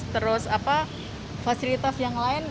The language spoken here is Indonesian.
terus fasilitas yang lain